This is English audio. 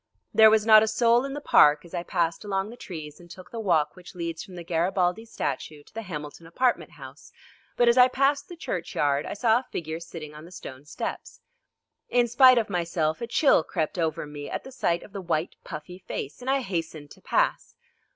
There was not a soul in the park as I passed along the trees and took the walk which leads from the Garibaldi statue to the Hamilton Apartment House, but as I passed the churchyard I saw a figure sitting on the stone steps. In spite of myself a chill crept over me at the sight of the white puffy face, and I hastened to pass.